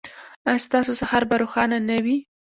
ایا ستاسو سهار به روښانه نه وي؟